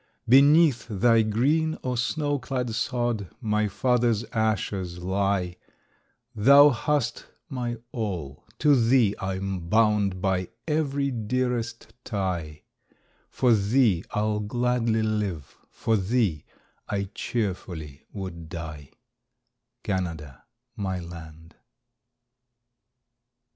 Beneath thy green or snow clad sod My fathers' ashes lie; Thou hast my all, to thee I'm bound By every dearest tie; For thee I'll gladly live, for thee I cheerfully would die, Canada, my land.